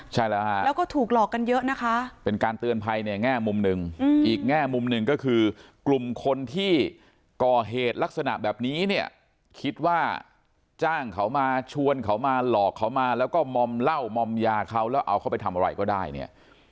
ใช่แล้วฮะแล้วก็ถูกหลอกกันเยอะนะคะเป็นการเตือนภัยในแง่มุมหนึ่งอีกแง่มุมหนึ่งก็คือกลุ่มคนที่ก่อเหตุลักษณะแบบนี้เนี่ยคิดว่าจ้างเขามาชวนเขามาหลอกเขามาแล้วก็มอมเหล้ามอมยาเขาแล้วเอาเขาไปทำอะไรก็ได้เนี่ย